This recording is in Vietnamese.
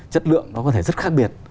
chất lượng nó có thể rất khác biệt